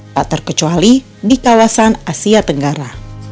tak terkecuali di kawasan asia tenggara